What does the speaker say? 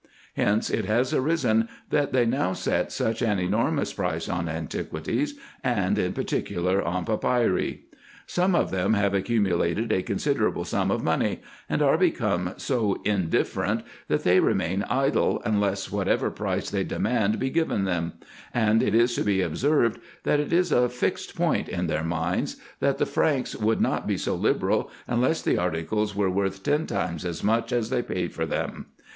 Hence it has arisen, that they now set such an enormous price on antiquities, and in particular on papyri. Some of them have accumulated a considerable sum of money, and are become so indifferent, that they remain idle, unless whatever price they de mand be given them ; and it is to be observed, that it is a fixed point in their minds, that the Franks would not be so liberal, unless the articles were worth ten times as much as they pay for them.